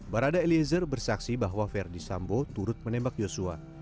barada eliezer bersaksi bahwa verdi sambo turut menembak yosua